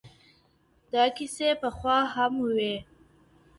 دا کیسې پخوا هم وې.